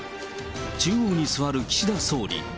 中央に座る岸田総理。